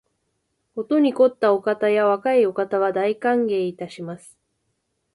ことに肥ったお方や若いお方は、大歓迎いたします